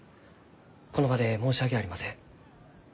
この場で申し訳ありません。